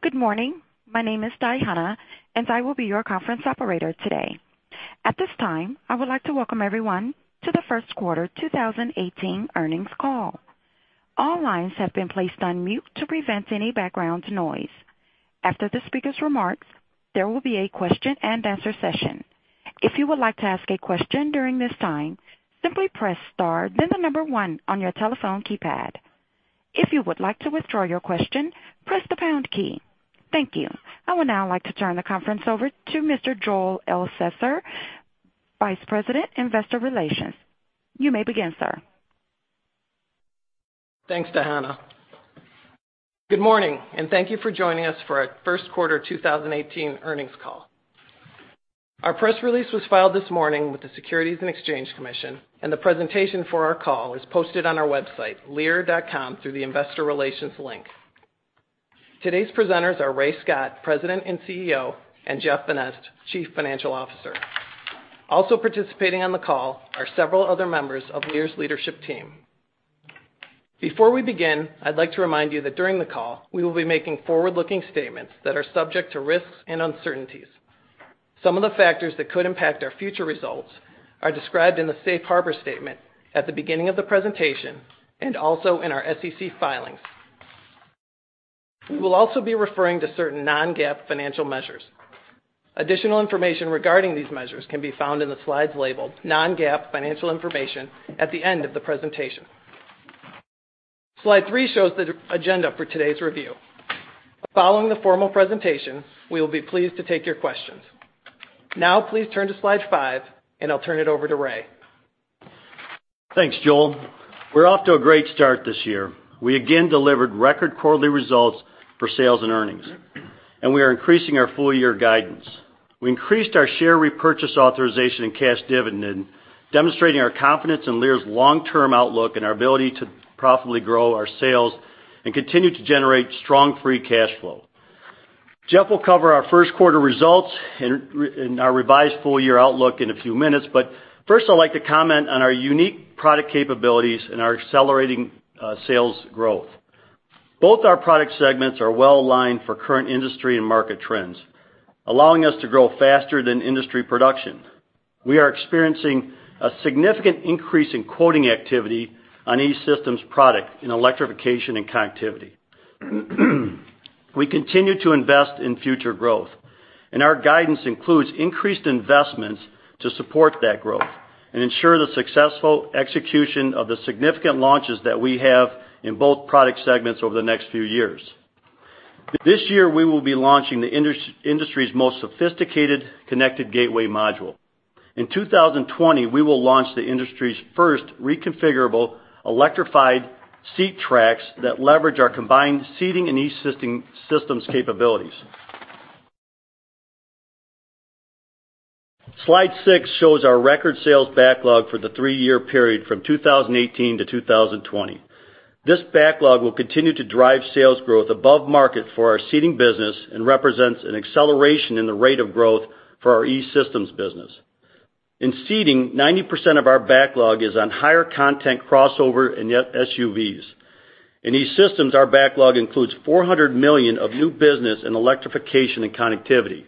Good morning. My name is Diana, and I will be your conference operator today. At this time, I would like to welcome everyone to the first quarter 2018 earnings call. All lines have been placed on mute to prevent any background noise. After the speaker's remarks, there will be a question and answer session. If you would like to ask a question during this time, simply press star then the number 1 on your telephone keypad. If you would like to withdraw your question, press the pound key. Thank you. I would now like to turn the conference over to Mr. Mel Stephens, Vice President, Investor Relations. You may begin, sir. Thanks, Diana. Good morning, thank you for joining us for our first quarter 2018 earnings call. Our press release was filed this morning with the Securities and Exchange Commission, the presentation for our call is posted on our website, lear.com, through the investor relations link. Today's presenters are Ray Scott, President and CEO, and Jeff Vanneste, Chief Financial Officer. Also participating on the call are several other members of Lear's leadership team. Before we begin, I'd like to remind you that during the call, we will be making forward-looking statements that are subject to risks and uncertainties. Some of the factors that could impact our future results are described in the safe harbor statement at the beginning of the presentation and also in our SEC filings. Additional information regarding these measures can be found in the slides labeled Non-GAAP Financial Information at the end of the presentation. Slide three shows the agenda for today's review. Following the formal presentation, we will be pleased to take your questions. Now please turn to slide five, I'll turn it over to Ray. Thanks, Mel. We're off to a great start this year. We again delivered record quarterly results for sales and earnings, we are increasing our full-year guidance. We increased our share repurchase authorization and cash dividend, demonstrating our confidence in Lear's long-term outlook and our ability to profitably grow our sales and continue to generate strong free cash flow. Jeff will cover our first quarter results and our revised full-year outlook in a few minutes. First, I'd like to comment on our unique product capabilities and our accelerating sales growth. Both our product segments are well-aligned for current industry and market trends, allowing us to grow faster than industry production. We are experiencing a significant increase in quoting activity on E-Systems product in electrification and connectivity. We continue to invest in future growth. Our guidance includes increased investments to support that growth and ensure the successful execution of the significant launches that we have in both product segments over the next few years. This year, we will be launching the industry's most sophisticated connected gateway module. In 2020, we will launch the industry's first reconfigurable electrified seat tracks that leverage our combined Seating and E-Systems capabilities. Slide six shows our record sales backlog for the three-year period from 2018 to 2020. This backlog will continue to drive sales growth above market for our Seating business and represents an acceleration in the rate of growth for our E-Systems business. In Seating, 90% of our backlog is on higher content crossover and SUVs. In E-Systems, our backlog includes $400 million of new business in electrification and connectivity.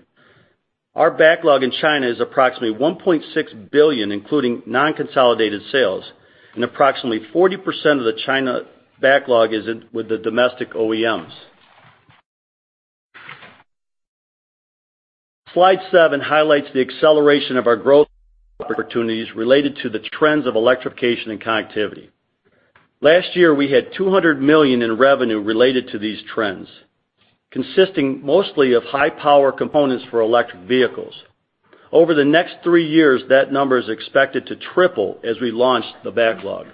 Our backlog in China is approximately $1.6 billion, including non-consolidated sales. Approximately 40% of the China backlog is with the domestic OEMs. Slide seven highlights the acceleration of our growth opportunities related to the trends of electrification and connectivity. Last year, we had $200 million in revenue related to these trends, consisting mostly of high-power components for electric vehicles. Over the next three years, that number is expected to triple as we launch the backlog.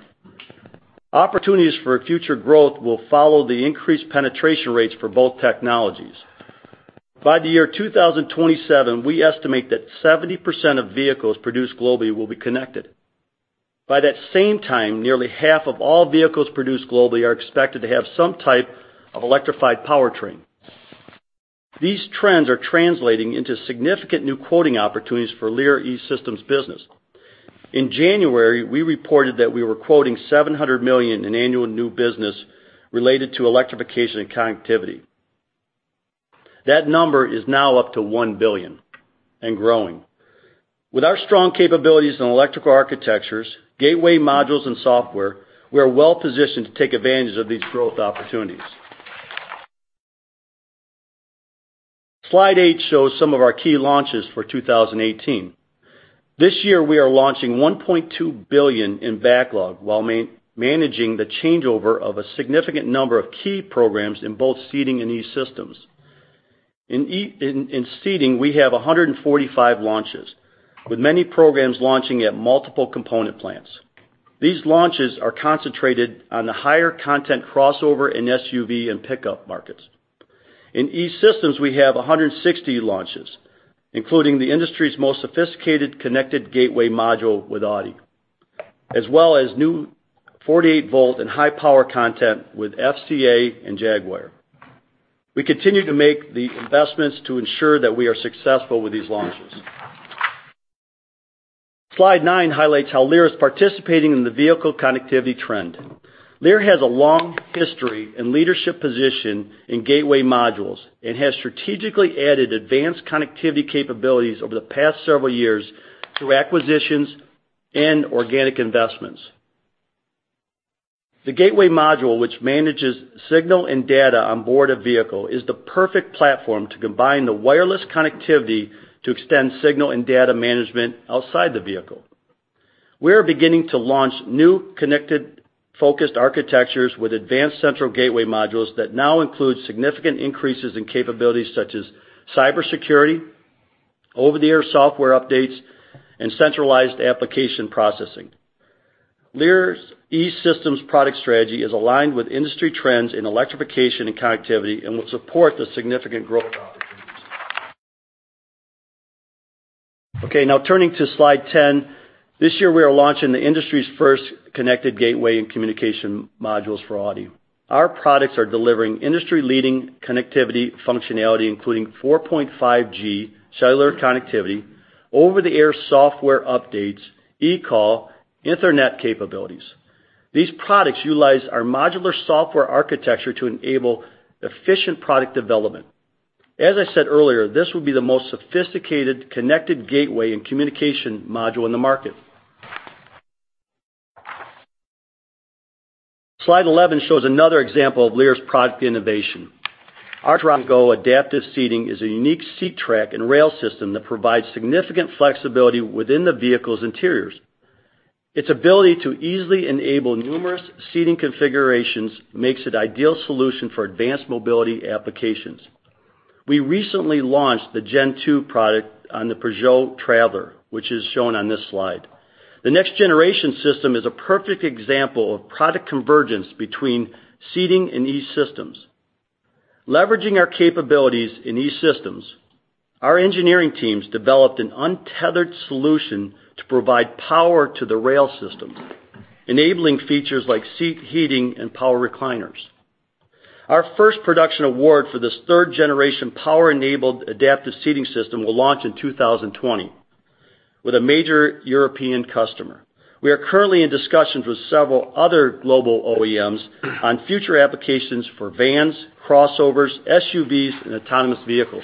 Opportunities for future growth will follow the increased penetration rates for both technologies. By the year 2027, we estimate that 70% of vehicles produced globally will be connected. By that same time, nearly half of all vehicles produced globally are expected to have some type of electrified powertrain. These trends are translating into significant new quoting opportunities for Lear E-Systems business. In January, we reported that we were quoting $700 million in annual new business related to electrification and connectivity. That number is now up to $1 billion and growing. With our strong capabilities in electrical architectures, gateway modules, and software, we are well positioned to take advantage of these growth opportunities. Slide eight shows some of our key launches for 2018. This year, we are launching $1.2 billion in backlog while managing the changeover of a significant number of key programs in both Seating and E-Systems. In Seating, we have 145 launches, with many programs launching at multiple component plants. These launches are concentrated on the higher content crossover in SUV and pickup markets. In E-Systems, we have 160 launches, including the industry's most sophisticated connected gateway module with Audi, as well as new 48-volt and high-power content with FCA and Jaguar. We continue to make the investments to ensure that we are successful with these launches. Slide nine highlights how Lear is participating in the vehicle connectivity trend. Lear has a long history and leadership position in gateway modules and has strategically added advanced connectivity capabilities over the past several years through acquisitions and organic investments. The gateway module, which manages signal and data on board a vehicle, is the perfect platform to combine the wireless connectivity to extend signal and data management outside the vehicle. We are beginning to launch new connected-focused architectures with advanced central gateway modules that now include significant increases in capabilities such as cybersecurity, over-the-air software updates, and centralized application processing. Lear's E-Systems product strategy is aligned with industry trends in electrification and connectivity and will support the significant growth opportunities. Now turning to slide 10. This year, we are launching the industry's first connected gateway and communication modules for Audi. Our products are delivering industry-leading connectivity functionality, including 4.5G cellular connectivity, over-the-air software updates, eCall, Internet capabilities. These products utilize our modular software architecture to enable efficient product development. As I said earlier, this will be the most sophisticated connected gateway and communication module in the market. Slide 11 shows another example of Lear's product innovation. Our RunGo Adaptive Seating is a unique seat track and rail system that provides significant flexibility within the vehicle's interiors. Its ability to easily enable numerous seating configurations makes it ideal solution for advanced mobility applications. We recently launched the Gen Two product on the Peugeot Traveller, which is shown on this slide. The next generation system is a perfect example of product convergence between seating and E-Systems. Leveraging our capabilities in E-Systems, our engineering teams developed an untethered solution to provide power to the rail system, enabling features like seat heating and power recliners. Our first production award for this third-generation power-enabled adaptive seating system will launch in 2020 with a major European customer. We are currently in discussions with several other global OEMs on future applications for vans, crossovers, SUVs, and autonomous vehicles.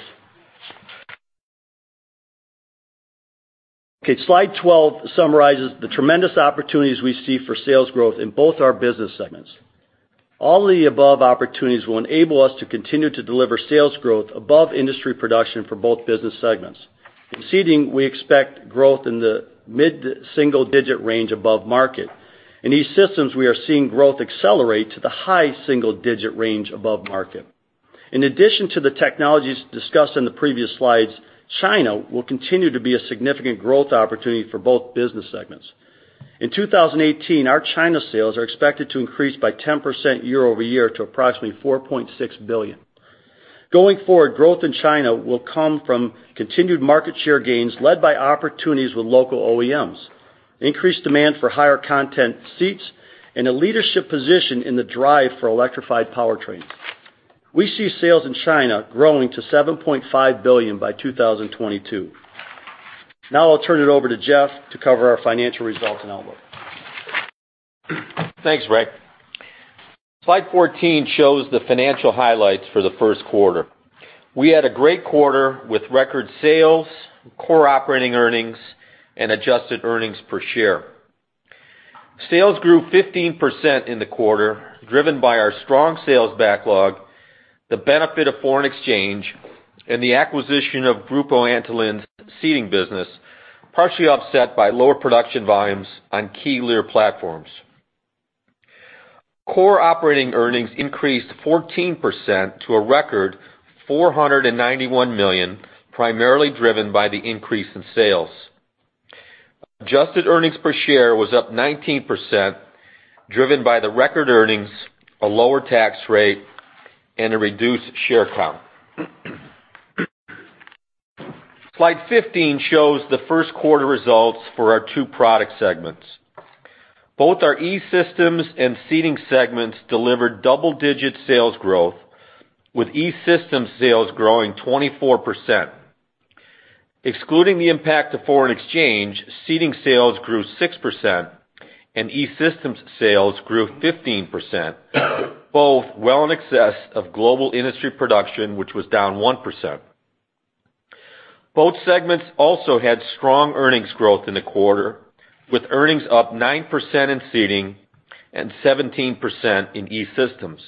Slide 12 summarizes the tremendous opportunities we see for sales growth in both our business segments. All the above opportunities will enable us to continue to deliver sales growth above industry production for both business segments. In seating, we expect growth in the mid-single-digit range above market. In E-Systems, we are seeing growth accelerate to the high single-digit range above market. In addition to the technologies discussed in the previous slides, China will continue to be a significant growth opportunity for both business segments. In 2018, our China sales are expected to increase by 10% year-over-year to approximately $4.6 billion. Going forward, growth in China will come from continued market share gains led by opportunities with local OEMs, increased demand for higher content seats, and a leadership position in the drive for electrified powertrains. We see sales in China growing to $7.5 billion by 2022. I'll turn it over to Jeff to cover our financial results and outlook. Thanks, Ray. Slide 14 shows the financial highlights for the first quarter. We had a great quarter with record sales, core operating earnings, and adjusted earnings per share. Sales grew 15% in the quarter, driven by our strong sales backlog, the benefit of foreign exchange, and the acquisition of Grupo Antolin's seating business, partially offset by lower production volumes on key Lear platforms. Core operating earnings increased 14% to a record $491 million, primarily driven by the increase in sales. Adjusted earnings per share was up 19%, driven by the record earnings, a lower tax rate, and a reduced share count. Slide 15 shows the first quarter results for our two product segments. Both our E-Systems and seating segments delivered double-digit sales growth, with E-Systems sales growing 24%. Excluding the impact of foreign exchange, seating sales grew 6%, and E-Systems sales grew 15%, both well in excess of global industry production, which was down 1%. Both segments also had strong earnings growth in the quarter, with earnings up 9% in seating and 17% in E-Systems.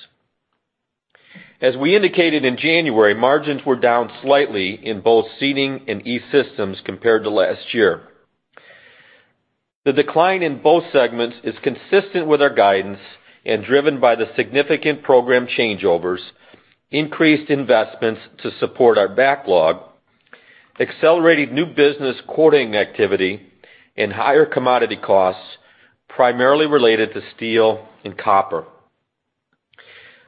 As we indicated in January, margins were down slightly in both seating and E-Systems compared to last year. The decline in both segments is consistent with our guidance and driven by the significant program changeovers, increased investments to support our backlog, accelerated new business quoting activity, and higher commodity costs, primarily related to steel and copper.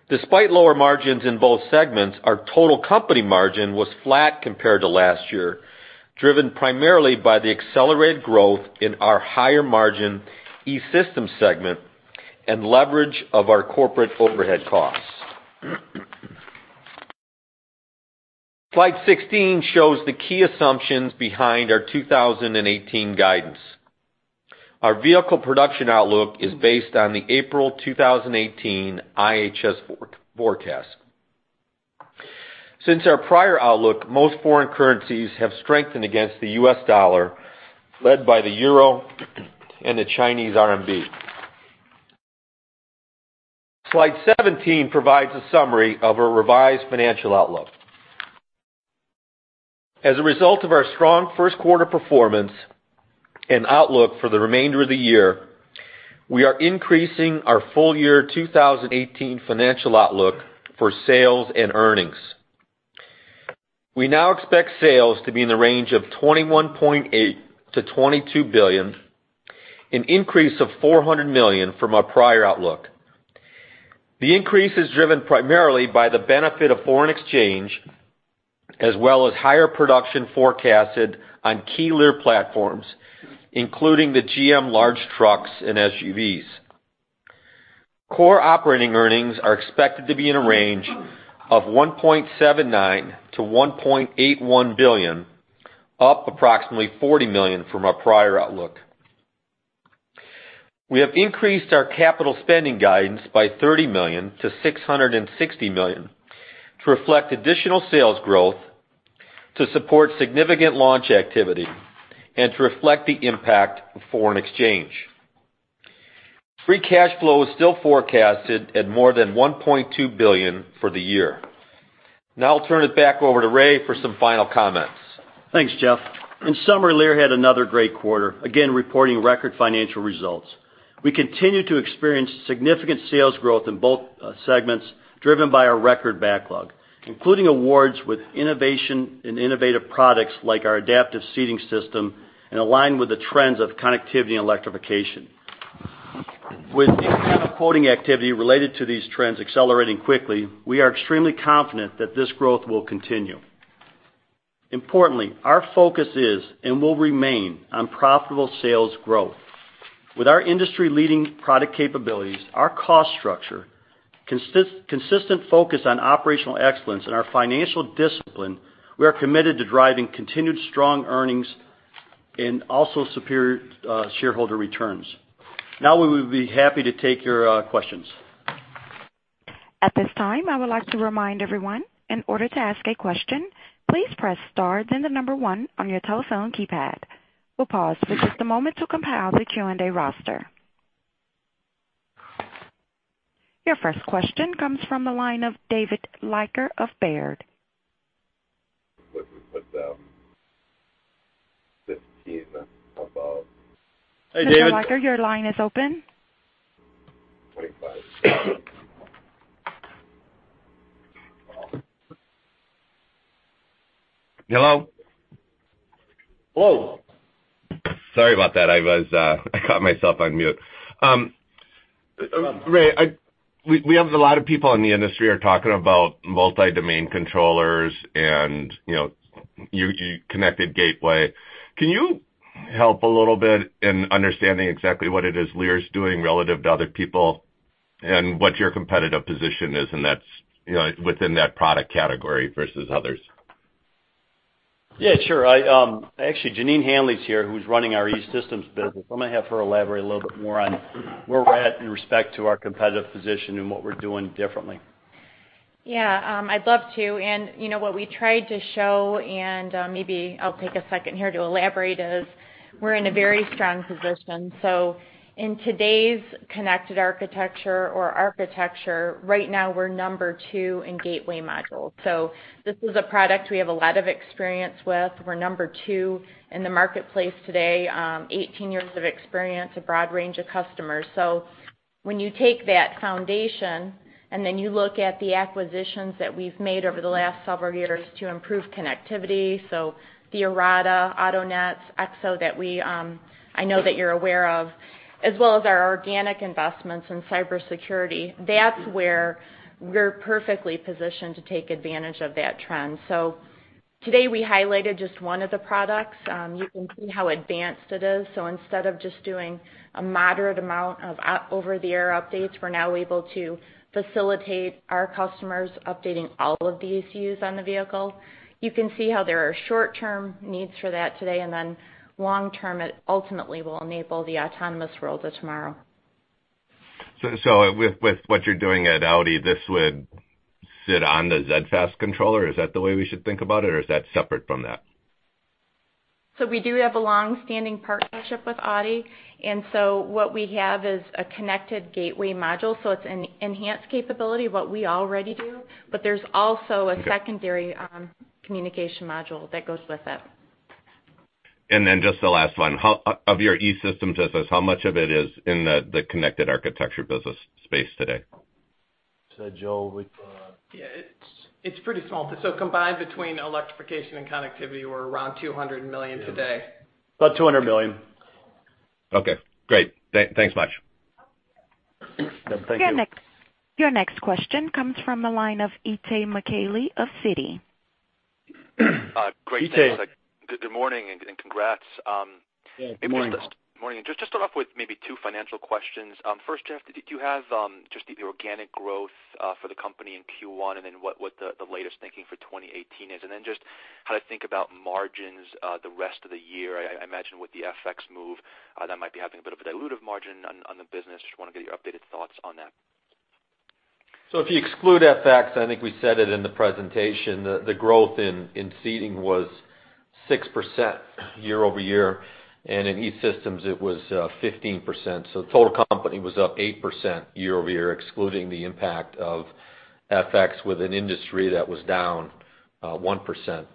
Despite lower margins in both segments, our total company margin was flat compared to last year, driven primarily by the accelerated growth in our higher-margin E-Systems segment and leverage of our corporate overhead costs. Slide 16 shows the key assumptions behind our 2018 guidance. Our vehicle production outlook is based on the April 2018 IHS forecast. Since our prior outlook, most foreign currencies have strengthened against the US dollar, led by the EUR and the CNY. Slide 17 provides a summary of our revised financial outlook. As a result of our strong first quarter performance and outlook for the remainder of the year, we are increasing our full year 2018 financial outlook for sales and earnings. We now expect sales to be in the range of $21.8 billion-$22 billion, an increase of $400 million from our prior outlook. The increase is driven primarily by the benefit of foreign exchange, as well as higher production forecasted on key Lear platforms, including the GM large trucks and SUVs. Core operating earnings are expected to be in a range of $1.79 billion-$1.81 billion, up approximately $40 million from our prior outlook. We have increased our capital spending guidance by $30 million to $660 million to reflect additional sales growth to support significant launch activity and to reflect the impact of foreign exchange. Free cash flow is still forecasted at more than $1.2 billion for the year. I'll turn it back over to Ray for some final comments. Thanks, Jeff. In summary, Lear had another great quarter, again, reporting record financial results. We continue to experience significant sales growth in both segments, driven by our record backlog, including awards with innovation and innovative products like our RunGo Adaptive Seating, and aligned with the trends of connectivity and electrification. With the kind of quoting activity related to these trends accelerating quickly, we are extremely confident that this growth will continue. Importantly, our focus is and will remain on profitable sales growth. With our industry-leading product capabilities, our cost structure, consistent focus on operational excellence, and our financial discipline, we are committed to driving continued strong earnings and also superior shareholder returns. We would be happy to take your questions. At this time, I would like to remind everyone, in order to ask a question, please press star then the number one on your telephone keypad. We'll pause for just a moment to compile the Q&A roster. Your first question comes from the line of David Leiker of Baird. Hey, David. Mr. Leiker, your line is open. Hello? Whoa. Sorry about that. I caught myself on mute. Ray, we have a lot of people in the industry are talking about multi-domain controllers and connected gateway. Can you help a little bit in understanding exactly what it is Lear is doing relative to other people and what your competitive position is within that product category versus others? Yeah, sure. Actually, Jeneanne Hanley is here, who's running our E-Systems business. I'm going to have her elaborate a little bit more on where we're at in respect to our competitive position and what we're doing differently. Yeah, I'd love to. What we tried to show, and maybe I'll take a second here to elaborate, is we're in a very strong position. In today's connected architecture or architecture, right now we're number 2 in gateway modules. This is a product we have a lot of experience with. We're number 2 in the marketplace today, 18 years of experience, a broad range of customers. When you take that foundation and then you look at the acquisitions that we've made over the last several years to improve connectivity, the Arada Systems, Autonet Mobile, EXO Technologies that I know that you're aware of, as well as our organic investments in cybersecurity, that's where we're perfectly positioned to take advantage of that trend. Today we highlighted just one of the products. You can see how advanced it is. Instead of just doing a moderate amount of over-the-air updates, we're now able to facilitate our customers updating all of the ECUs on the vehicle. You can see how there are short-term needs for that today, and then long-term, it ultimately will enable the autonomous world of tomorrow. With what you're doing at Audi, this would sit on the zFAS controller? Is that the way we should think about it, or is that separate from that? We do have a long-standing partnership with Audi, and what we have is a connected gateway module. It is an enhanced capability of what we already do, but there is also a secondary communication module that goes with it. The last one. Of your E-Systems business, how much of it is in the connected architecture business space today? [inaudible] Yeah, it is pretty small. Combined between electrification and connectivity, we are around $200 million today. About $200 million. Okay, great. Thanks much. Thank you. Your next question comes from the line of Itay Michaeli of Citi. Itay Good morning, congrats. Yeah, good morning. Morning. Just to start off with maybe two financial questions. First, Jeff, did you have just the organic growth for the company in Q1, what the latest thinking for 2018 is? Just how to think about margins the rest of the year. I imagine with the FX move, that might be having a bit of a dilutive margin on the business. Just want to get your updated thoughts on that. If you exclude FX, I think we said it in the presentation, the growth in seating was 6% year-over-year, in E-Systems it was 15%. The total company was up 8% year-over-year, excluding the impact of FX with an industry that was down 1%.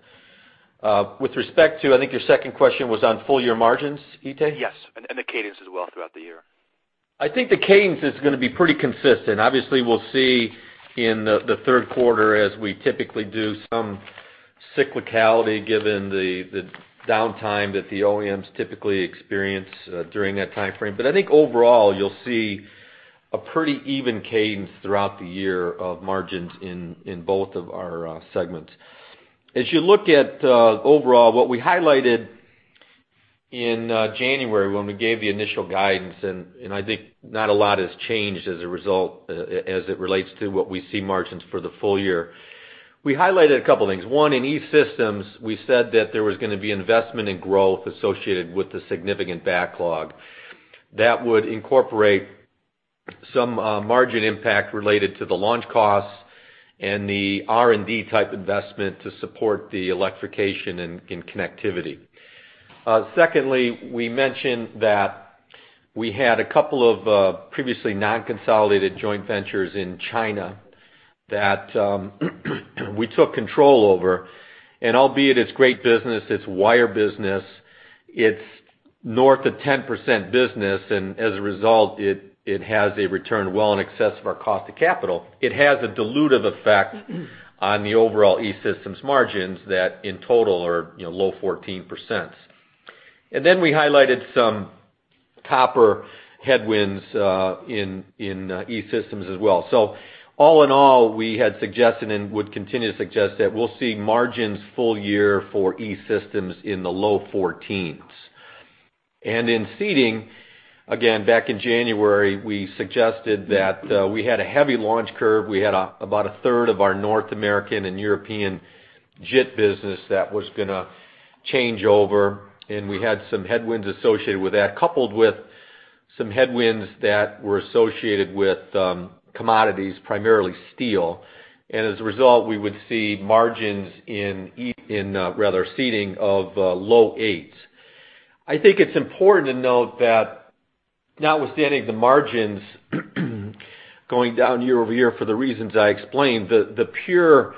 With respect to, I think your second question was on full year margins, Itay? Yes, the cadence as well throughout the year. I think the cadence is going to be pretty consistent. Obviously, we'll see in the third quarter, as we typically do, some cyclicality given the downtime that the OEMs typically experience during that timeframe. I think overall, you'll see a pretty even cadence throughout the year of margins in both of our segments. As you look at overall, what we highlighted in January when we gave the initial guidance, I think not a lot has changed as a result, as it relates to what we see margins for the full year. We highlighted a couple things. One, in E-Systems, we said that there was going to be investment in growth associated with the significant backlog that would incorporate some margin impact related to the launch costs and the R&D type investment to support the electrification in connectivity. Secondly, we mentioned that we had a couple of previously non-consolidated joint ventures in China that we took control over. Albeit it's great business, it's wire business, it's north of 10% business, as a result, it has a return well in excess of our cost of capital. It has a dilutive effect on the overall E-Systems margins that in total are low 14%. We highlighted some copper headwinds in E-Systems as well. All in all, we had suggested and would continue to suggest that we'll see margins full year for E-Systems in the low fourteens. In seating, again, back in January, we suggested that we had a heavy launch curve. We had about a third of our North American and European JIT business that was going to change over, we had some headwinds associated with that, coupled with some headwinds that were associated with commodities, primarily steel. As a result, we would see margins in rather seating of low eights. I think it's important to note that notwithstanding the margins going down year-over-year for the reasons I explained, the pure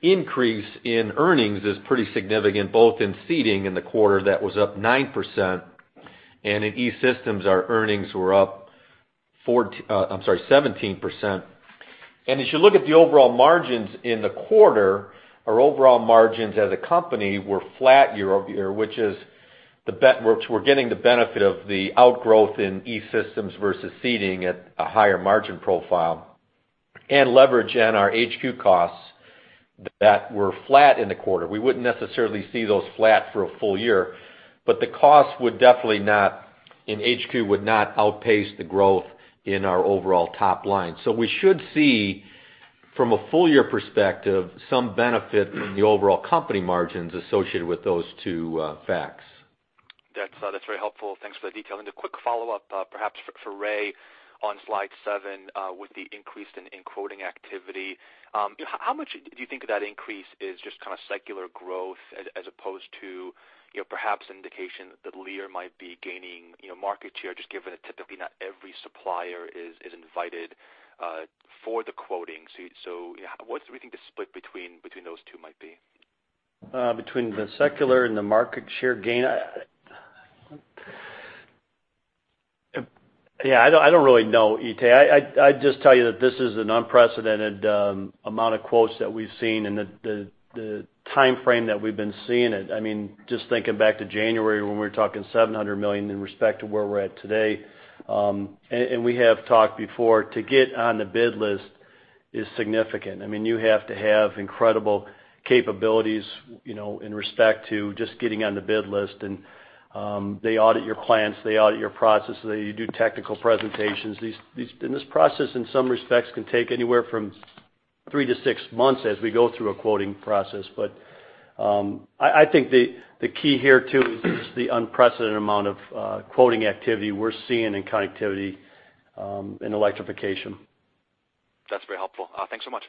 increase in earnings is pretty significant, both in seating in the quarter that was up 9%, in E-Systems, our earnings were up 17%. As you look at the overall margins in the quarter, our overall margins as a company were flat year-over-year, which we're getting the benefit of the outgrowth in E-Systems versus seating at a higher margin profile and leverage in our HQ costs that were flat in the quarter. We wouldn't necessarily see those flat for a full year, but the cost would definitely not, in HQ, would not outpace the growth in our overall top line. We should see from a full year perspective, some benefit in the overall company margins associated with those two facts. That's very helpful. Thanks for the detail. A quick follow-up, perhaps for Ray on slide seven, with the increase in quoting activity. How much do you think that increase is just kind of secular growth as opposed to perhaps indication that Lear might be gaining market share, just given that typically not every supplier is invited for the quoting. What do we think the split between those two might be? Between the secular and the market share gain? Yeah, I don't really know, Itay. I'd just tell you that this is an unprecedented amount of quotes that we've seen and the timeframe that we've been seeing it. Just thinking back to January when we were talking $700 million in respect to where we're at today. We have talked before, to get on the bid list is significant. You have to have incredible capabilities in respect to just getting on the bid list. They audit your clients, they audit your processes, you do technical presentations. This process in some respects can take anywhere from three to six months as we go through a quoting process. I think the key here, too, is just the unprecedented amount of quoting activity we're seeing in connectivity and electrification. That's very helpful. Thanks so much.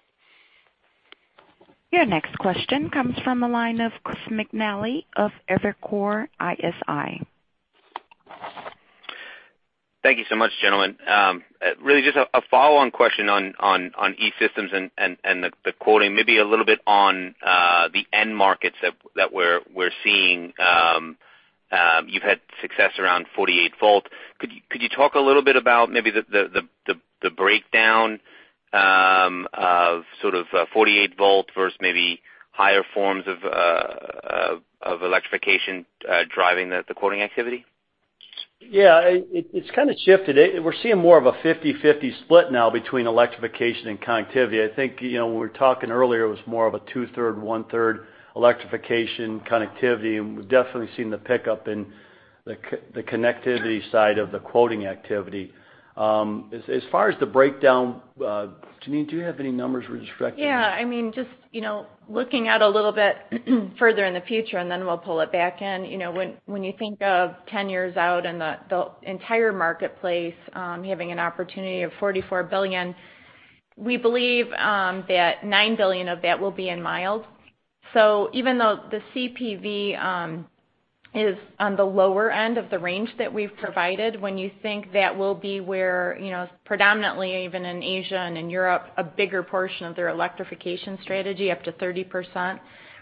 Your next question comes from the line of Chris McNally of Evercore ISI. Thank you so much, gentlemen. Really just a follow-on question on E-Systems and the quoting, maybe a little bit on the end markets that we're seeing. You've had success around 48 volt. Could you talk a little bit about maybe the breakdown of sort of 48 volt versus maybe higher forms of electrification driving the quoting activity? Yeah, it's kind of shifted. We're seeing more of a 50/50 split now between electrification and connectivity. I think, when we were talking earlier, it was more of a 2/3, 1/3 electrification connectivity. We've definitely seen the pickup in the connectivity side of the quoting activity. As far as the breakdown, Jeneanne, do you have any numbers with respect to that? Yeah. Just looking out a little bit further in the future. We'll pull it back in. When you think of 10 years out and the entire marketplace, having an opportunity of $44 billion, we believe that $9 billion of that will be in mild. Even though the CPV is on the lower end of the range that we've provided, when you think that will be where predominantly even in Asia and in Europe, a bigger portion of their electrification strategy, up to 30%,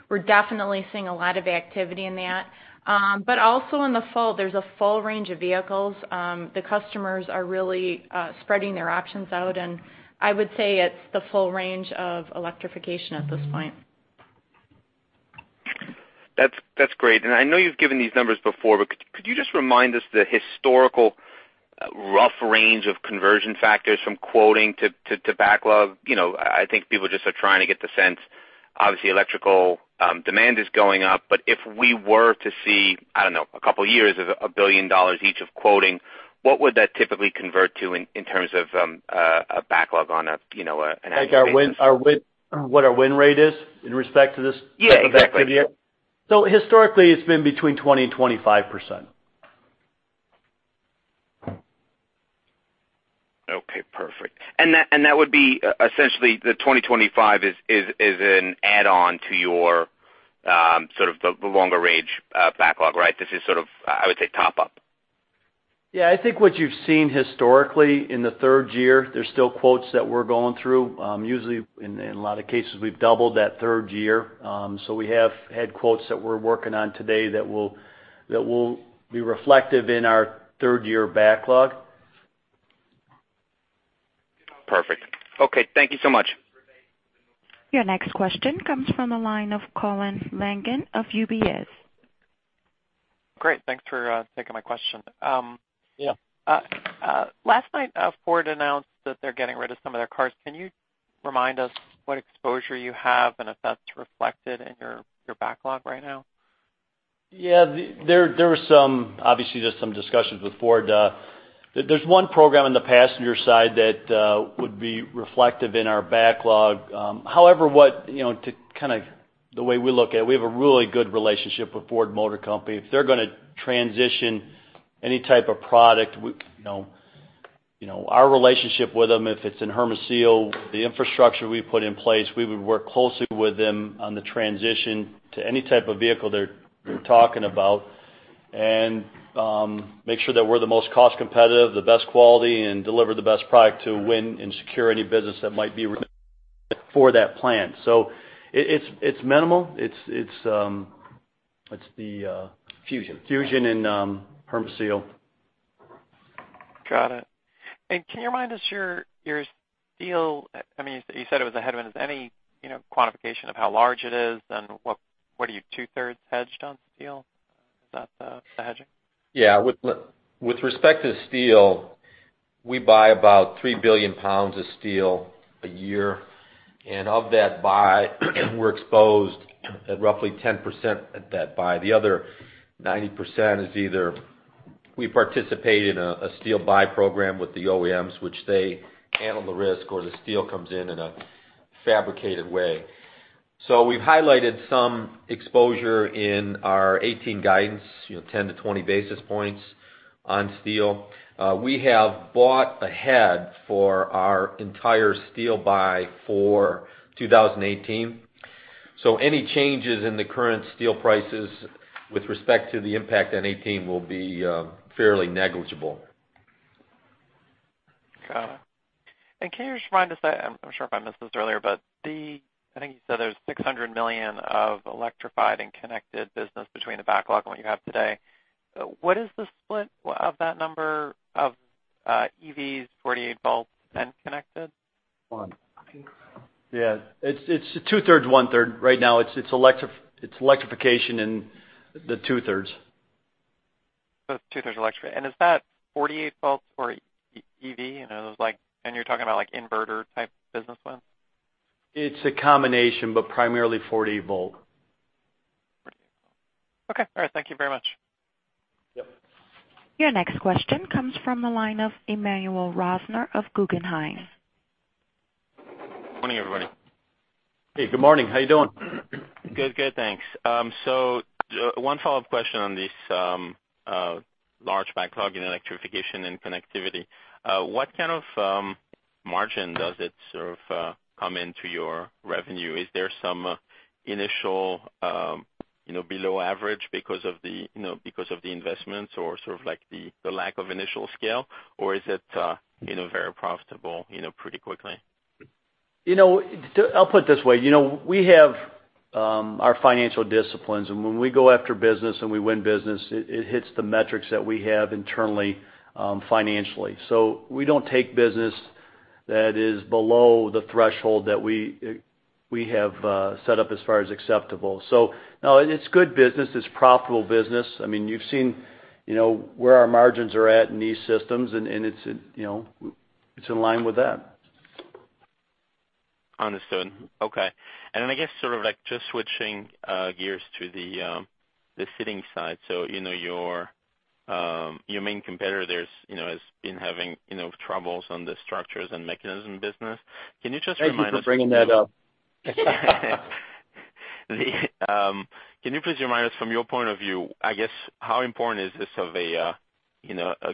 we're definitely seeing a lot of activity in that. Also in the full, there's a full range of vehicles. The customers are really spreading their options out, I would say it's the full range of electrification at this point. That's great. I know you've given these numbers before, could you just remind us the historical rough range of conversion factors from quoting to backlog? I think people just are trying to get the sense. Obviously, electrical demand is going up, if we were to see, I don't know, a couple of years of $1 billion each of quoting, what would that typically convert to in terms of a backlog on an annual basis? What our win rate is in respect to this type of activity? Yeah, exactly. Historically, it's been between 20% and 25%. Okay, perfect. That would be essentially the 20%, 25% is an add-on to your sort of the longer range backlog, right? This is sort of, I would say, top-up. I think what you've seen historically in the third year, there's still quotes that we're going through. Usually, in a lot of cases, we've doubled that third year. We have had quotes that we're working on today that will be reflective in our third-year backlog. Perfect. Okay, thank you so much. Your next question comes from the line of Colin Langan of UBS. Great. Thanks for taking my question. Yeah. Last night, Ford announced that they're getting rid of some of their cars. Can you remind us what exposure you have and if that's reflected in your backlog right now? Yeah. Obviously, there's some discussions with Ford. There's one program in the passenger side that would be reflective in our backlog. However, the way we look at it, we have a really good relationship with Ford Motor Company. If they're going to transition any type of product, our relationship with them, if it's in Hermosillo, the infrastructure we put in place, we would work closely with them on the transition to any type of vehicle they're talking about and make sure that we're the most cost competitive, the best quality, and deliver the best product to win and secure any business that might be for that plan. So it's minimal. It's the. Fusion Fusion and Hermosillo. Got it. Can you remind us your steel, you said it was a headwind. Is any quantification of how large it is and what are you two-thirds hedged on steel? Is that the hedging? With respect to steel, we buy about 3 billion pounds of steel a year. Of that buy, we're exposed at roughly 10% at that buy. The other 90% is either we participate in a steel buy program with the OEMs, which they handle the risk, or the steel comes in in a fabricated way. We've highlighted some exposure in our 2018 guidance, 10 to 20 basis points on steel. We have bought ahead for our entire steel buy for 2018. Any changes in the current steel prices with respect to the impact on 2018 will be fairly negligible. Got it. Can you just remind us, I'm not sure if I missed this earlier, but I think you said there's $600 million of electrified and connected business between the backlog and what you have today. What is the split of that number of EVs, 48 volts, and connected? One, I think. Yeah. It's two-thirds, one-third. Right now, it's electrification in the two-thirds. It's two-thirds electric. Is that 48 volts or EV? You're talking about inverter-type business ones? It's a combination, but primarily 48 volt. 48 volt. Okay. All right. Thank you very much. Yep. Your next question comes from the line of Emmanuel Rosner of Guggenheim. Morning, everybody. Hey, good morning. How you doing? Good, thanks. One follow-up question on this large backlog in electrification and connectivity. What kind of margin does it sort of come into your revenue? Is there some initial below average because of the investments or sort of like the lack of initial scale, or is it very profitable pretty quickly? I'll put it this way. We have our financial disciplines. When we go after business and we win business, it hits the metrics that we have internally, financially. We don't take business that is below the threshold that we have set up as far as acceptable. No, it's good business, it's profitable business. You've seen where our margins are at in E-Systems, and it's in line with that. Understood. Okay. I guess, just switching gears to the seating side. Your main competitor there has been having troubles on the structures and mechanism business. Can you just remind us- Thank you for bringing that up. Can you please remind us from your point of view, I guess, how important is this of a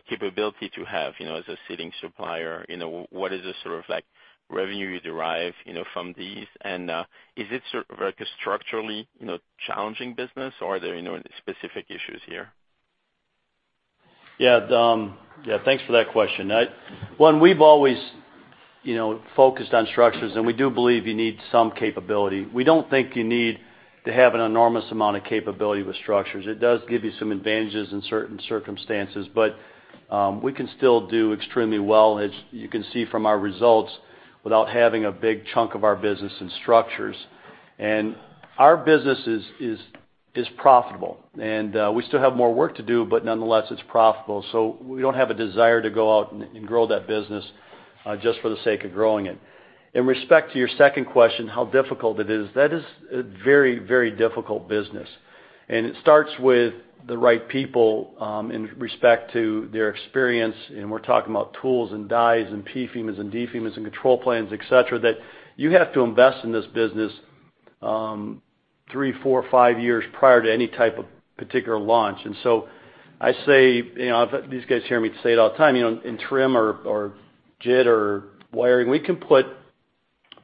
capability to have as a seating supplier? What is the sort of revenue you derive from these? Is it sort of like a structurally challenging business, or are there specific issues here? Dom, thanks for that question. We've always focused on structures, and we do believe you need some capability. We don't think you need to have an enormous amount of capability with structures. It does give you some advantages in certain circumstances, but we can still do extremely well, as you can see from our results, without having a big chunk of our business in structures. Our business is profitable and we still have more work to do, but nonetheless, it's profitable, so we don't have a desire to go out and grow that business just for the sake of growing it. In respect to your second question, how difficult it is, that is a very difficult business. It starts with the right people, in respect to their experience, and we're talking about tools and dies and PFMEAs and DFMEAs and control plans, et cetera, that you have to invest in this business, three, four, five years prior to any type of particular launch. I say, these guys hear me say it all the time, in trim or JIT or wiring, we can put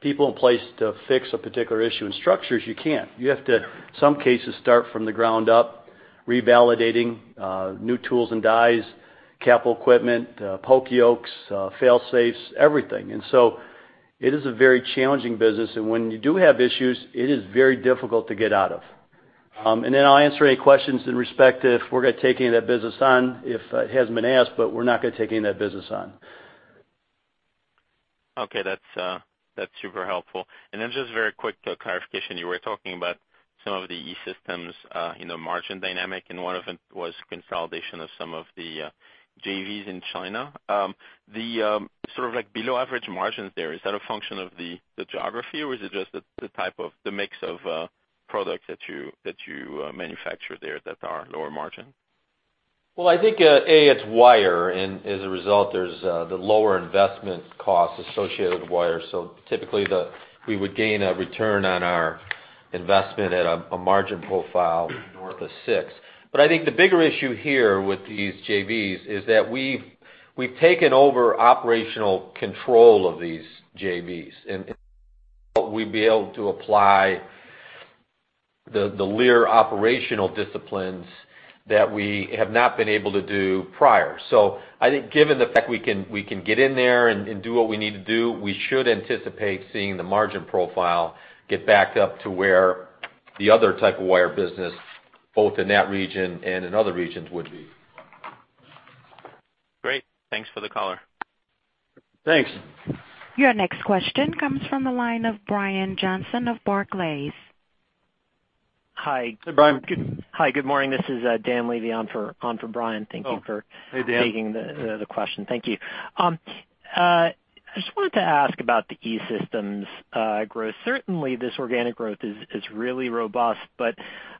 people in place to fix a particular issue. In structures, you can't. You have to, some cases, start from the ground up, revalidating new tools and dies, capital equipment, poka-yokes, fail-safes, everything. It is a very challenging business. When you do have issues, it is very difficult to get out of. I'll answer any questions in respect to if we're going to take any of that business on if it hasn't been asked, but we're not going to take any of that business on. Okay, that's super helpful. Just very quick clarification, you were talking about some of the E-Systems margin dynamic, and one of them was consolidation of some of the JVs in China. The sort of below average margins there, is that a function of the geography, or is it just the mix of products that you manufacture there that are lower margin? I think, A, it's wire, and as a result, there's the lower investment cost associated with wire. Typically, we would gain a return on our investment at a margin profile north of six. I think the bigger issue here with these JVs is that we've taken over operational control of these JVs, and we'd be able to apply the Lear operational disciplines that we have not been able to do prior. I think given the fact we can get in there and do what we need to do, we should anticipate seeing the margin profile get backed up to where the other type of wire business, both in that region and in other regions, would be. Great. Thanks for the color. Thanks. Your next question comes from the line of Brian Johnson of Barclays. Hi. Hey, Brian. Hi. Good morning. This is Dan Levy on for Brian. Thank you. Oh, hey, Dan. taking the question. Thank you. I just wanted to ask about the E-Systems growth. Certainly, this organic growth is really robust, but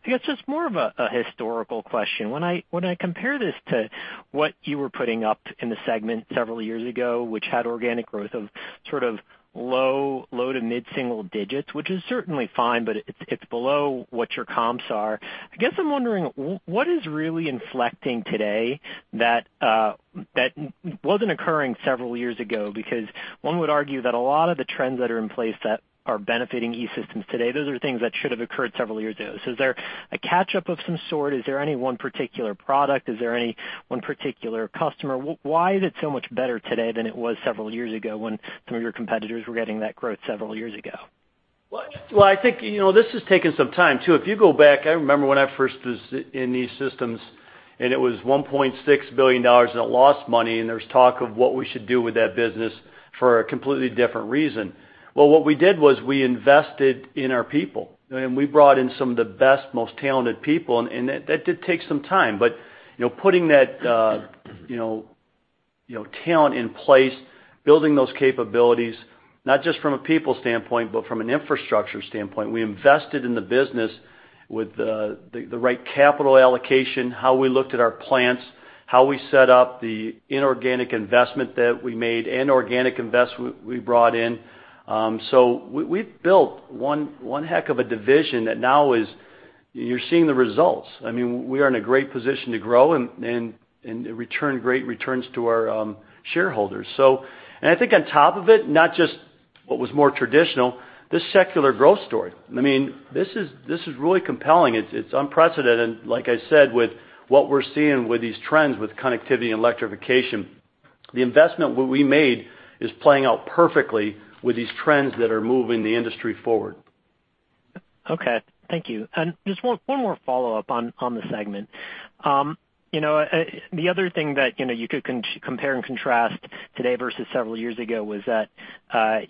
I guess just more of a historical question. When I compare this to what you were putting up in the segment several years ago, which had organic growth of sort of low to mid single digits, which is certainly fine, but it's below what your comps are. I guess I'm wondering, what is really inflecting today that wasn't occurring several years ago? Because one would argue that a lot of the trends that are in place that are benefiting E-Systems today, those are things that should have occurred several years ago. Is there a catch-up of some sort? Is there any one particular product? Is there any one particular customer? Why is it so much better today than it was several years ago when some of your competitors were getting that growth several years ago? I think, this has taken some time, too. If you go back, I remember when I first was in E-Systems, and it was $1.6 billion, and it lost money, and there was talk of what we should do with that business for a completely different reason. What we did was we invested in our people. I mean, we brought in some of the best, most talented people, and that did take some time. Putting that talent in place, building those capabilities, not just from a people standpoint, but from an infrastructure standpoint. We invested in the business with the right capital allocation, how we looked at our plants, how we set up the inorganic investment that we made and organic investment we brought in. We've built one heck of a division that now is, you're seeing the results. We are in a great position to grow and return great returns to our shareholders. I think on top of it, not just what was more traditional, this secular growth story. This is really compelling. It's unprecedented. Like I said, with what we're seeing with these trends with connectivity and electrification, the investment we made is playing out perfectly with these trends that are moving the industry forward. Okay. Thank you. Just one more follow-up on the segment. The other thing that you could compare and contrast today versus several years ago was that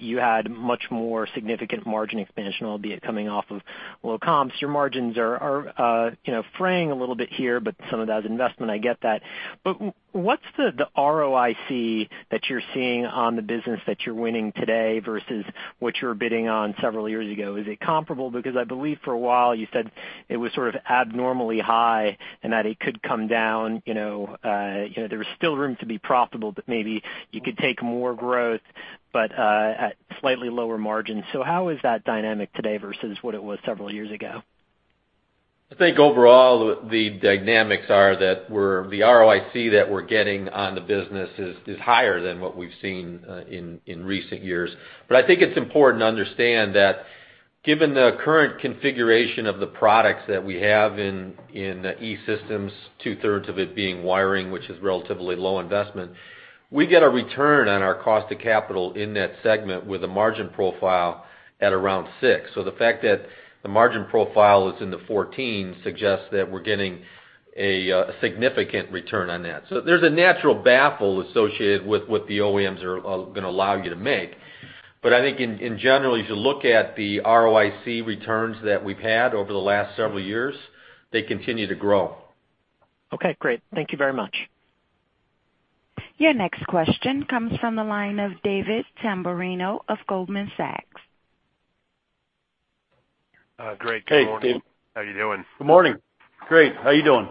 you had much more significant margin expansion, albeit coming off of low comps. Your margins are fraying a little bit here, but some of that is investment, I get that. What's the ROIC that you're seeing on the business that you're winning today versus what you were bidding on several years ago? Is it comparable? I believe for a while you said it was sort of abnormally high and that it could come down. There was still room to be profitable, but maybe you could take more growth, but at slightly lower margins. How is that dynamic today versus what it was several years ago? I think overall, the dynamics are that the ROIC that we're getting on the business is higher than what we've seen in recent years. I think it's important to understand that given the current configuration of the products that we have in E-Systems, two-thirds of it being wiring, which is relatively low investment, we get a return on our cost of capital in that segment with a margin profile at around 6%. The fact that the margin profile is in the 14% suggests that we're getting a significant return on that. There's a natural baffle associated with what the OEMs are going to allow you to make. I think in general, if you look at the ROIC returns that we've had over the last several years, they continue to grow. Okay, great. Thank you very much. Your next question comes from the line of David Tamberrino of Goldman Sachs. Great. Good morning. Hey, David. How are you doing? Good morning. Great. How are you doing?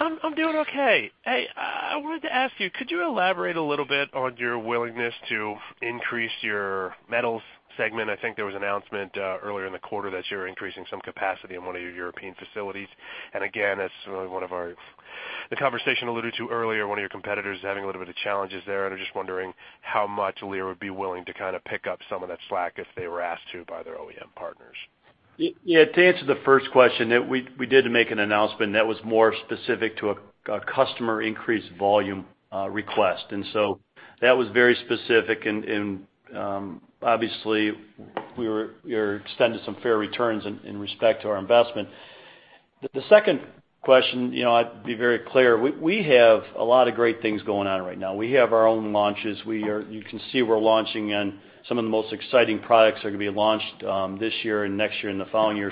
I'm doing okay. Hey, I wanted to ask you, could you elaborate a little bit on your willingness to increase your metals segment? I think there was an announcement earlier in the quarter that you're increasing some capacity in one of your European facilities. Again, as the conversation alluded to earlier, one of your competitors is having a little bit of challenges there, and I'm just wondering how much Lear would be willing to kind of pick up some of that slack if they were asked to by their OEM partners. Yeah. To answer the first question, we did make an announcement that was more specific to a customer increase volume request. That was very specific and obviously we were extended some fair returns in respect to our investment. The second question, I'd be very clear, we have a lot of great things going on right now. We have our own launches. You can see we're launching, and some of the most exciting products are going to be launched this year and next year and the following year.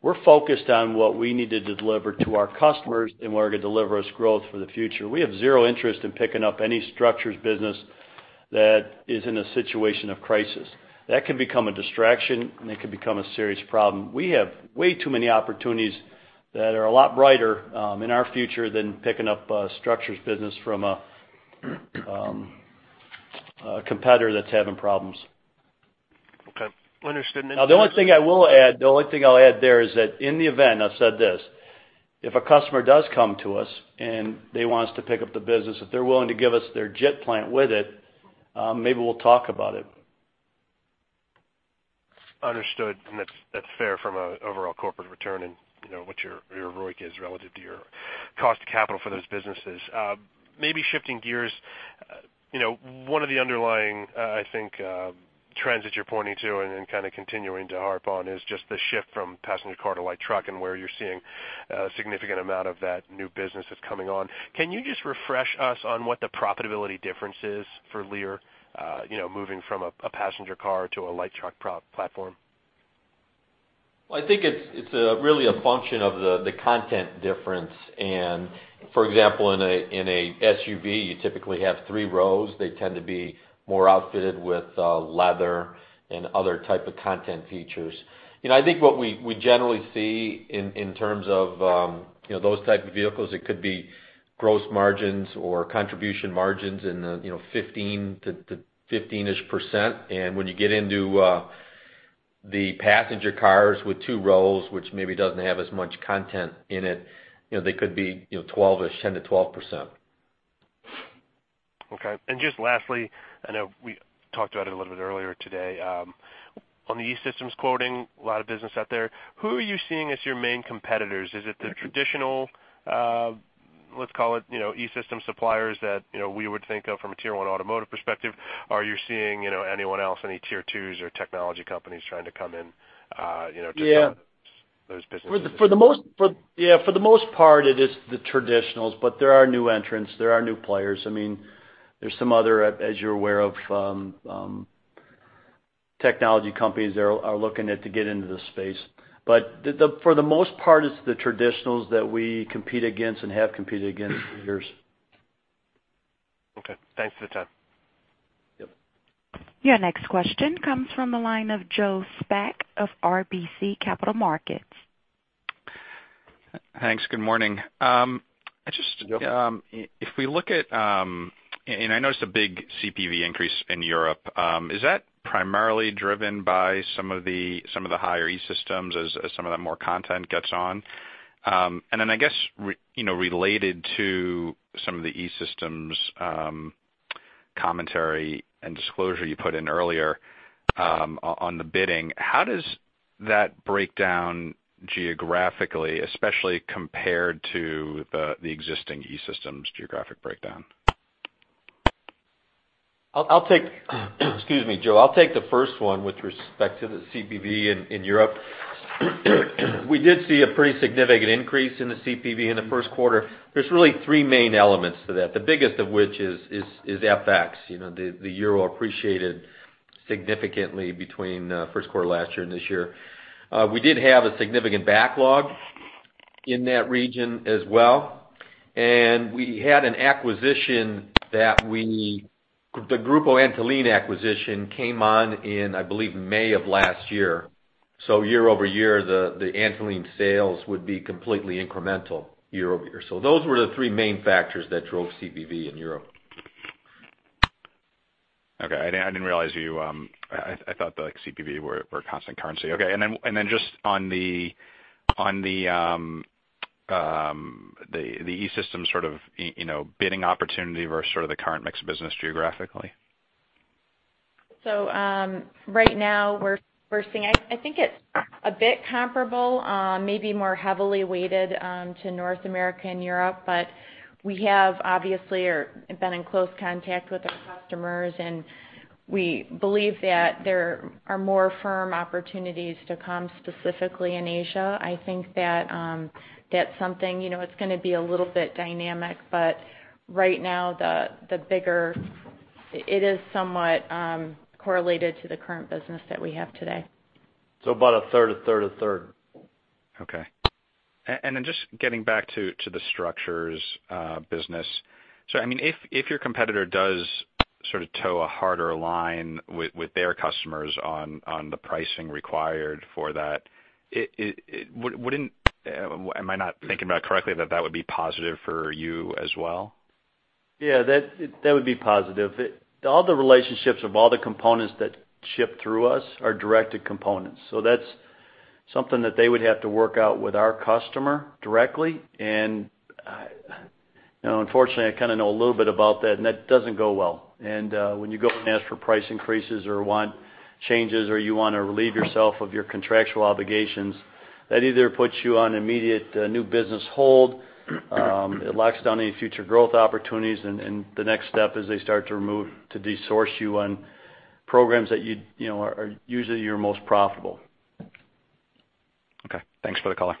We're focused on what we need to deliver to our customers in order to deliver us growth for the future. We have zero interest in picking up any structures business that is in a situation of crisis. That can become a distraction, and it can become a serious problem. We have way too many opportunities that are a lot brighter in our future than picking up a structures business from a competitor that's having problems. Okay, understood. Now, the only thing I will add, the only thing I'll add there is that in the event, I've said this, if a customer does come to us and they want us to pick up the business, if they're willing to give us their JIT plant with it, maybe we'll talk about it. Understood, that's fair from an overall corporate return and what your ROIC is relative to your cost of capital for those businesses. Maybe shifting gears, one of the underlying, I think, trends that you're pointing to and then kind of continuing to harp on is just the shift from passenger car to light truck and where you're seeing a significant amount of that new business that's coming on. Can you just refresh us on what the profitability difference is for Lear moving from a passenger car to a light truck platform? I think it's really a function of the content difference. For example, in a SUV, you typically have three rows. They tend to be more outfitted with leather and other type of content features. I think what we generally see in terms of those type of vehicles, it could be gross margins or contribution margins in the 15-ish%. When you get into the passenger cars with two rows, which maybe doesn't have as much content in it, they could be 10%-12%. Okay. Just lastly, I know we talked about it a little bit earlier today. On the E-Systems quoting, a lot of business out there. Who are you seeing as your main competitors? Is it the traditional, let's call it, E-Systems suppliers that we would think of from a tier 1 automotive perspective? Are you seeing anyone else, any tier 2s or technology companies trying to come in to those businesses? Yeah, for the most part, it is the traditionals. There are new entrants, there are new players. There's some other, as you're aware of, technology companies that are looking to get into the space. For the most part, it's the traditionals that we compete against and have competed against for years. Okay. Thanks for the time. Yep. Your next question comes from the line of Joseph Spak of RBC Capital Markets. Thanks. Good morning. Joe. I noticed a big CPV increase in Europe. Is that primarily driven by some of the higher E-Systems as some of the more content gets on? Then I guess, related to some of the E-Systems commentary and disclosure you put in earlier on the bidding, how does that break down geographically, especially compared to the existing E-Systems geographic breakdown? I'll take excuse me, Joe, I'll take the first one with respect to the CPV in Europe. We did see a pretty significant increase in the CPV in the first quarter. There's really three main elements to that. The biggest of which is FX. The euro appreciated significantly between first quarter last year and this year. We did have a significant backlog in that region as well, and we had an acquisition. The Grupo Antolin acquisition came on in, I believe, May of last year. Year-over-year, the Antolin sales would be completely incremental year-over-year. Those were the three main factors that drove CPV in Europe. I didn't realize I thought the CPV were constant currency. Just on the E-Systems bidding opportunity versus the current mix business geographically. Right now we're seeing, I think it's a bit comparable, maybe more heavily weighted to North America and Europe, but we have obviously been in close contact with our customers, and we believe that there are more firm opportunities to come, specifically in Asia. I think that it's going to be a little bit dynamic, but right now it is somewhat correlated to the current business that we have today. About a third, a third, a third. Just getting back to the structures business. If your competitor does tow a harder line with their customers on the pricing required for that, am I not thinking about it correctly that that would be positive for you as well? Yeah, that would be positive. All the relationships of all the components that ship through us are directed components. That's something that they would have to work out with our customer directly. Unfortunately, I kind of know a little bit about that, and that doesn't go well. When you go and ask for price increases or want changes or you want to relieve yourself of your contractual obligations, that either puts you on immediate new business hold, it locks down any future growth opportunities, and the next step is they start to desource you on programs that are usually your most profitable. Okay. Thanks for the color.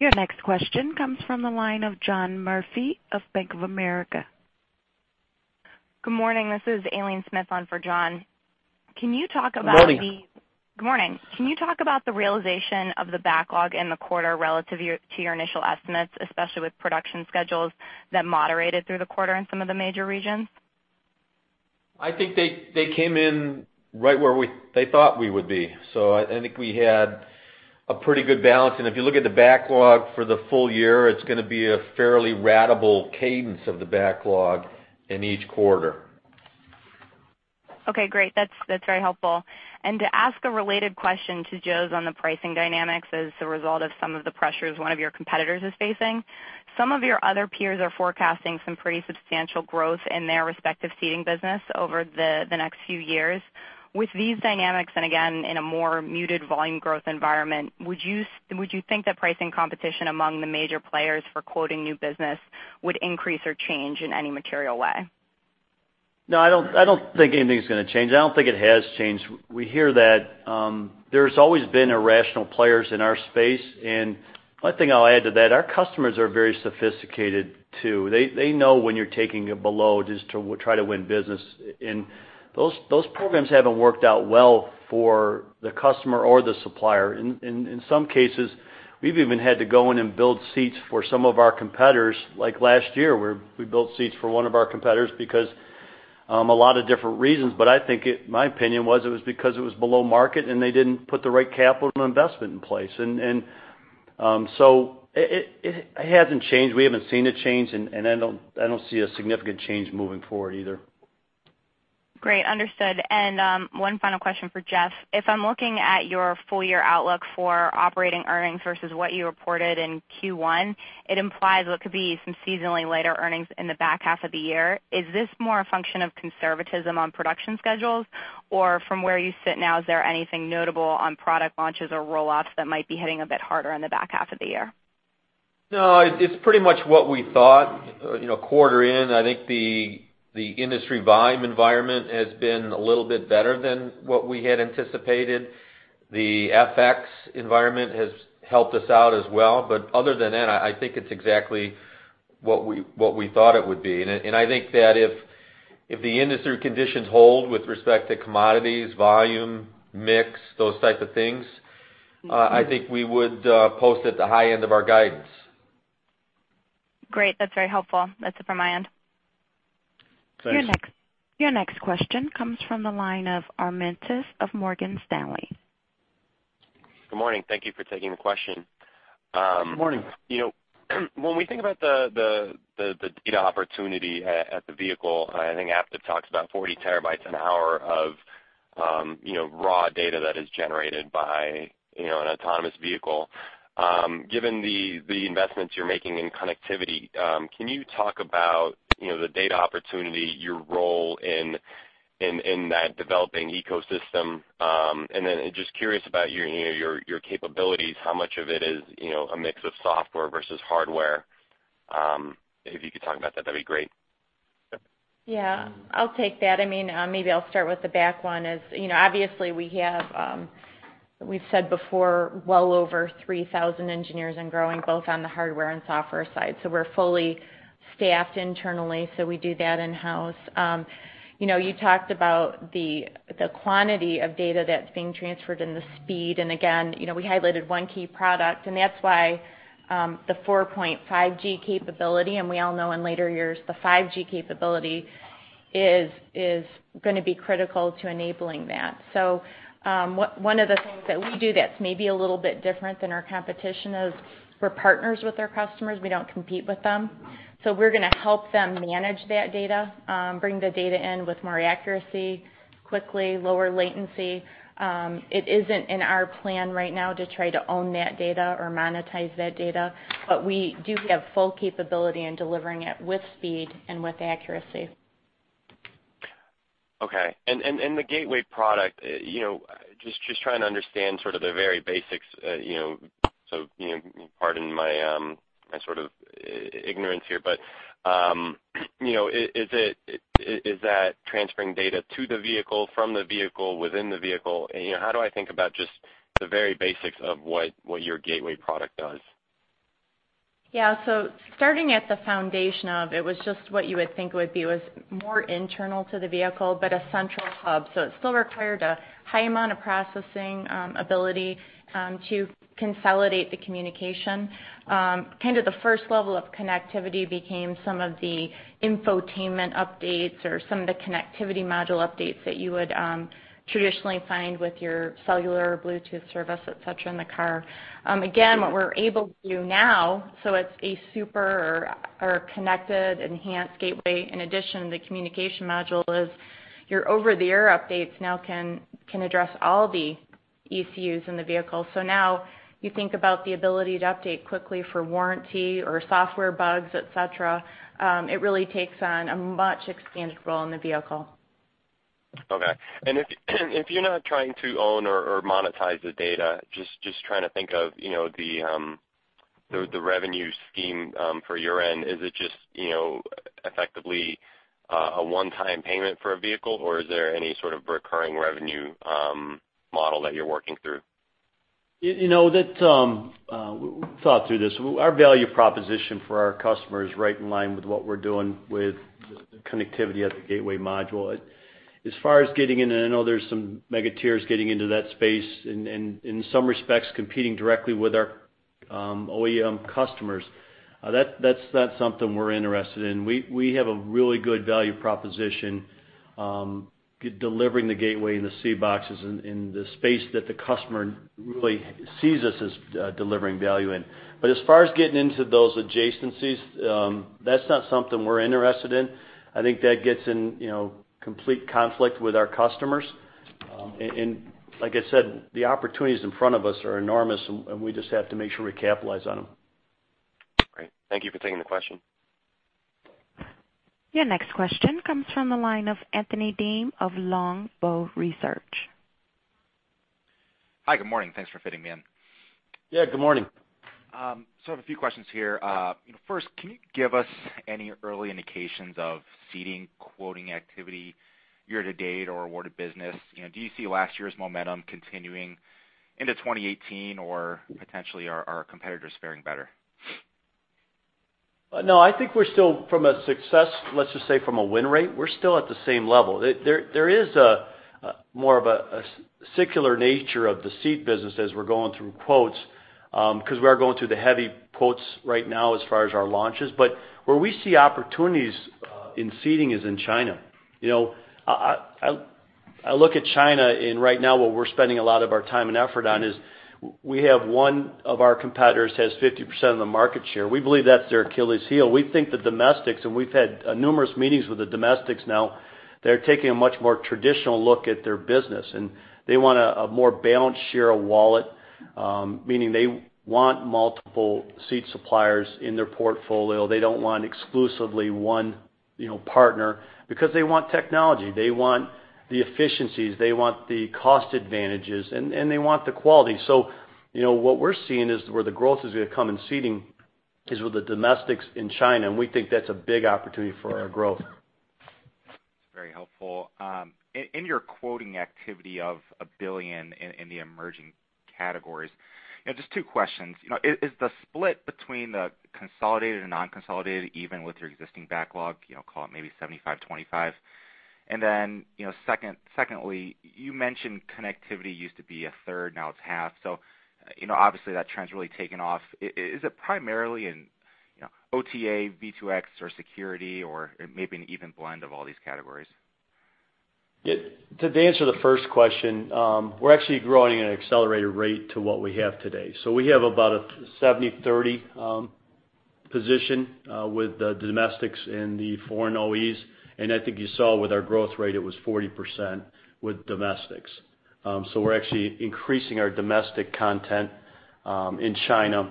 Your next question comes from the line of John Murphy of Bank of America. Good morning. This is Aileen Smith on for John. Good morning. Good morning. Can you talk about the realization of the backlog in the quarter relative to your initial estimates, especially with production schedules that moderated through the quarter in some of the major regions? I think they came in right where they thought we would be. I think we had a pretty good balance. If you look at the backlog for the full year, it's going to be a fairly ratable cadence of the backlog in each quarter. Okay, great. That's very helpful. To ask a related question to Joe's on the pricing dynamics as a result of some of the pressures one of your competitors is facing. Some of your other peers are forecasting some pretty substantial growth in their respective seating business over the next few years. With these dynamics, and again, in a more muted volume growth environment, would you think that pricing competition among the major players for quoting new business would increase or change in any material way? No, I don't think anything's going to change. I don't think it has changed. We hear that there's always been irrational players in our space, one thing I'll add to that, our customers are very sophisticated, too. They know when you're taking a below just to try to win business. Those programs haven't worked out well for the customer or the supplier. In some cases, we've even had to go in and build seats for some of our competitors, like last year, where we built seats for one of our competitors because a lot of different reasons, but my opinion was it was because it was below market and they didn't put the right capital investment in place. It hasn't changed. We haven't seen a change, and I don't see a significant change moving forward either. Great. Understood. One final question for Jeff. If I'm looking at your full year outlook for operating earnings versus what you reported in Q1, it implies what could be some seasonally lighter earnings in the back half of the year. Is this more a function of conservatism on production schedules, or from where you sit now, is there anything notable on product launches or roll-offs that might be hitting a bit harder in the back half of the year? No, it's pretty much what we thought. A quarter in, I think the industry volume environment has been a little bit better than what we had anticipated. The FX environment has helped us out as well, but other than that, I think it's exactly what we thought it would be. I think that if the industry conditions hold with respect to commodities, volume, mix, those types of things, I think we would post at the high end of our guidance. Great. That's very helpful. That's it from my end. Thanks. Your next question comes from the line of Adam Jonas of Morgan Stanley. Good morning. Thank you for taking the question. Good morning. When we think about the data opportunity at the vehicle, I think Aptiv talks about 40 terabytes an hour of raw data that is generated by an autonomous vehicle. Given the investments you're making in connectivity, can you talk about the data opportunity, your role in that developing ecosystem, and then just curious about your capabilities, how much of it is a mix of software versus hardware? If you could talk about that'd be great. Yeah. I'll take that. Maybe I'll start with the back one is, obviously we've said before, well over 3,000 engineers and growing, both on the hardware and software side. We're fully staffed internally, so we do that in-house. You talked about the quantity of data that's being transferred and the speed. Again, we highlighted one key product, and that's why the 4.5G capability, and we all know in later years, the 5G capability, is going to be critical to enabling that. One of the things that we do that's maybe a little bit different than our competition is we're partners with our customers. We don't compete with them. We're going to help them manage that data, bring the data in with more accuracy, quickly, lower latency. It isn't in our plan right now to try to own that data or monetize that data. We do have full capability in delivering it with speed and with accuracy. Okay. The gateway product, just trying to understand sort of the very basics, so pardon my sort of ignorance here, is that transferring data to the vehicle, from the vehicle, within the vehicle? How do I think about just the very basics of what your gateway product does? Yeah. Starting at the foundation of it was just what you would think it would be, was more internal to the vehicle, but a central hub. It still required a high amount of processing ability to consolidate the communication. Kind of the first level of connectivity became some of the infotainment updates or some of the connectivity module updates that you would traditionally find with your cellular Bluetooth service, et cetera, in the car. Again, what we're able to do now, it's a super or connected enhanced gateway. In addition, the communication module is your over-the-air updates now can address all the ECUs in the vehicle. Now you think about the ability to update quickly for warranty or software bugs, et cetera. It really takes on a much expanded role in the vehicle. Okay. If you're not trying to own or monetize the data, just trying to think of the revenue scheme for your end, is it just effectively a one-time payment for a vehicle, or is there any sort of recurring revenue model that you're working through? We thought through this. Our value proposition for our customer is right in line with what we're doing with the connectivity at the gateway module. As far as getting in, and I know there's some mega tiers getting into that space and in some respects competing directly with our OEM customers, that's not something we're interested in. We have a really good value proposition delivering the gateway and the C boxes in the space that the customer really sees us as delivering value in. As far as getting into those adjacencies, that's not something we're interested in. I think that gets in complete conflict with our customers. Like I said, the opportunities in front of us are enormous, and we just have to make sure we capitalize on them. Great. Thank you for taking the question. Your next question comes from the line of Anthony Diem of Longbow Research. Hi, good morning. Thanks for fitting me in. Yeah, good morning. I have a few questions here. First, can you give us any early indications of seating quoting activity year-to-date or awarded business? Do you see last year's momentum continuing into 2018 or potentially are competitors faring better? No, I think we're still from a success, let's just say from a win rate, we're still at the same level. There is more of a secular nature of the seat business as we're going through quotes, because we are going through the heavy quotes right now as far as our launches. Where we see opportunities in seating is in China. I look at China and right now what we're spending a lot of our time and effort on is we have one of our competitors has 50% of the market share. We believe that's their Achilles heel. We think the domestics, and we've had numerous meetings with the domestics now, they're taking a much more traditional look at their business, and they want a more balanced share of wallet, meaning they want multiple seat suppliers in their portfolio. They don't want exclusively one partner because they want technology, they want the efficiencies, they want the cost advantages, and they want the quality. What we're seeing is where the growth is going to come in Seating is with the domestics in China, and we think that's a big opportunity for our growth. That's very helpful. In your quoting activity of $1 billion in the emerging categories, just two questions. Is the split between the consolidated and non-consolidated even with your existing backlog, call it maybe 75/25? Secondly, you mentioned connectivity used to be a third, now it's half. Obviously that trend's really taken off. Is it primarily in OTA, V2X or security or maybe an even blend of all these categories? To answer the first question, we're actually growing at an accelerated rate to what we have today. We have about a 70/30 position with the domestics and the foreign OEs, and I think you saw with our growth rate, it was 40% with domestics. We're actually increasing our domestic content in China. In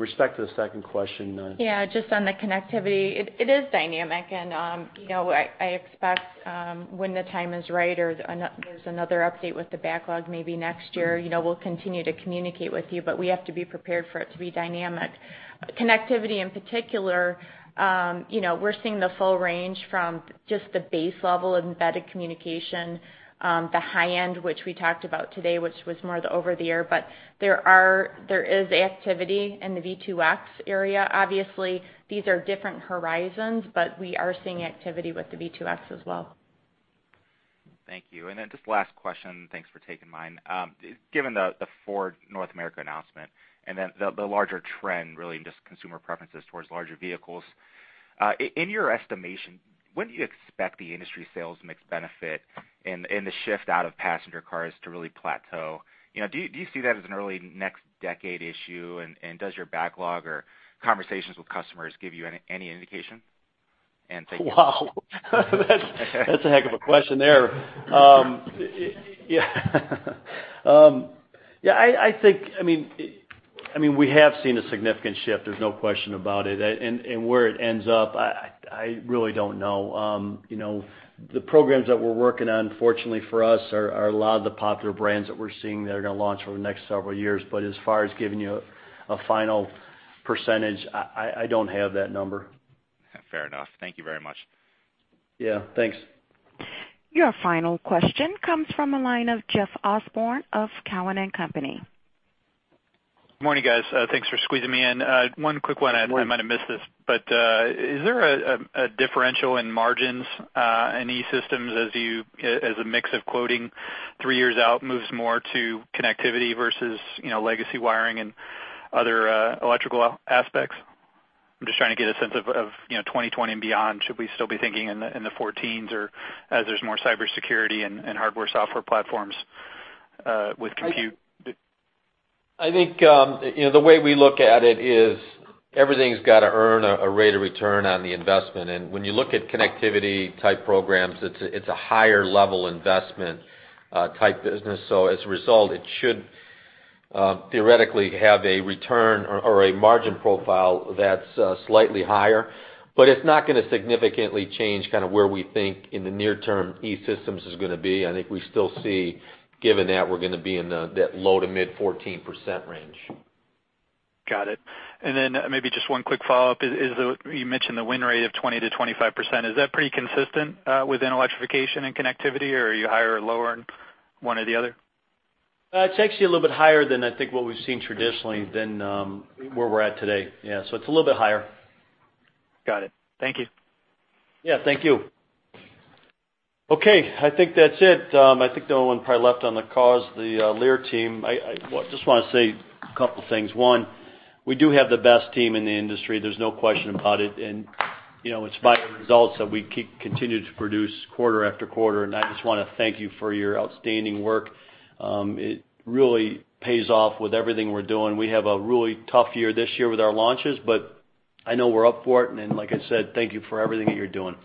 respect to the second question. Yeah, just on the connectivity, it is dynamic and I expect when the time is right or there's another update with the backlog maybe next year, we'll continue to communicate with you, but we have to be prepared for it to be dynamic. Connectivity in particular, we're seeing the full range from just the base level of embedded communication, the high end, which we talked about today, which was more the over-the-air, but there is activity in the V2X area. Obviously, these are different horizons, but we are seeing activity with the V2X as well. Thank you. Just last question, thanks for taking mine. Given the Ford North America announcement and then the larger trend, really, in just consumer preferences towards larger vehicles, in your estimation, when do you expect the industry sales mix benefit and the shift out of passenger cars to really plateau? Do you see that as an early next decade issue, and does your backlog or conversations with customers give you any indication? Thank you. Wow. That's a heck of a question there. Yeah. I think we have seen a significant shift, there's no question about it. Where it ends up, I really don't know. The programs that we're working on, fortunately for us, are a lot of the popular brands that we're seeing that are going to launch over the next several years. As far as giving you a final percentage, I don't have that number. Fair enough. Thank you very much. Yeah, thanks. Your final question comes from the line of Jeff Osborne of Cowen and Company. Morning, guys. Thanks for squeezing me in. One quick one. Morning. I might have missed this, but is there a differential in margins in E-Systems as a mix of quoting three years out moves more to connectivity versus legacy wiring and other electrical aspects? I'm just trying to get a sense of 2020 and beyond. Should we still be thinking in the fourteens, or as there's more cybersecurity and hardware-software platforms with compute? I think the way we look at it is everything's got to earn a rate of return on the investment. When you look at connectivity type programs, it's a higher level investment type business. As a result, it should theoretically have a return or a margin profile that's slightly higher, but it's not going to significantly change where we think in the near term E-Systems is going to be. I think we still see, given that we're going to be in that low to mid 14% range. Got it. Then maybe just one quick follow-up is, you mentioned the win rate of 20%-25%. Is that pretty consistent within electrification and connectivity, or are you higher or lower in one or the other? It's actually a little bit higher than I think what we've seen traditionally than where we're at today. Yeah, it's a little bit higher. Got it. Thank you. Yeah, thank you. Okay, I think that's it. I think the only one probably left on the call is the Lear team. I just want to say a couple things. One, we do have the best team in the industry. There's no question about it's by the results that we continue to produce quarter after quarter, I just want to thank you for your outstanding work. It really pays off with everything we're doing. We have a really tough year this year with our launches, I know we're up for it, and like I said, thank you for everything that you're doing.